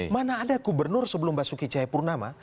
mana ada gubernur sebelum basuki cahayapurnama